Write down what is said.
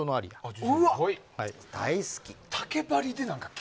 大好き。